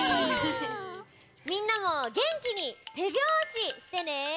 みんなもげんきにてびょうししてね。